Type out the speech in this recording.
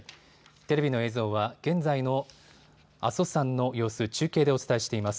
テレビの映像は現在の阿蘇山の様子、中継でお伝えしています。